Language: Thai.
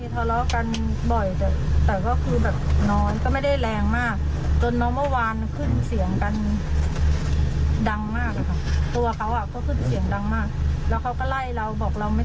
แต่ไม่ได้ทุกข์ตดตี